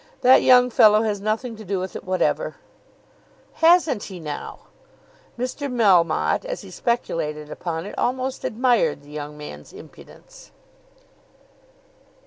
That young fellow has nothing to do with it whatever." "Hasn't he now?" Mr. Melmotte as he speculated upon it, almost admired the young man's impudence.